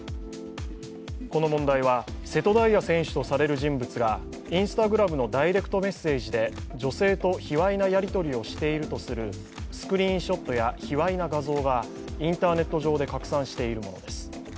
この問題は瀬戸大也選手とされる人物がＩｎｓｔａｇｒａｍのダイレクトメッセージで女性と卑わいなやり取りをしているとするスクリーンショットや卑わいな画像がインターネット上で拡散しているものです。